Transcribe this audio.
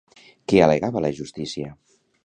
Què al·legava la justícia?